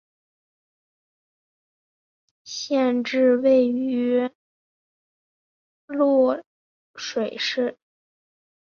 县治位于漯水市。